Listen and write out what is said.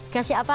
gak sih apa